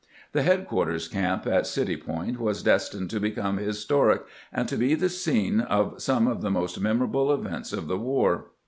The headquarters camp at City Point was destined to become historic and to be the scene of some of the most memorable events of the war.